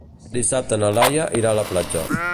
Dissabte na Laia irà a la platja.